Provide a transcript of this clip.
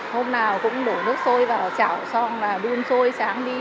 hôm nào cũng đổ nước sôi vào chảo xong là tựa lửa không bị mất